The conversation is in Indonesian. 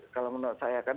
kalau menurut saya